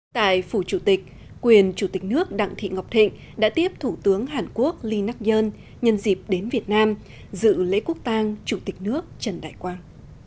tại phủ chủ tịch quyền chủ tịch nước đặng thị ngọc thịnh đã tiếp thủ tướng hàn quốc lee nắc nhân dịp đến việt nam dự lễ quốc tàng chủ tịch nước trần đại quang